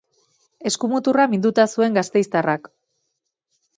Eskumuturra minduta zuen gasteiztarrak.